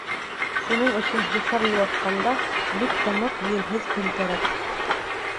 Шуның өсөн һуҫар юллатҡанда, бик тымыҡ, елһеҙ көн кәрәк.